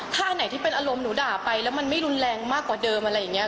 ถ้าอันไหนที่เป็นอารมณ์หนูด่าไปแล้วมันไม่รุนแรงมากกว่าเดิมอะไรอย่างนี้